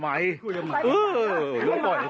หมายความว่ายังไงวะ